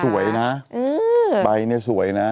แต่น้องสวยนะอื้อใบเนี่ยสวยนะ